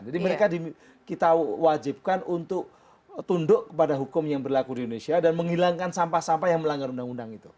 jadi mereka kita wajibkan untuk tunduk kepada hukum yang berlaku di indonesia dan menghilangkan sampah sampah yang melanggar undang undang itu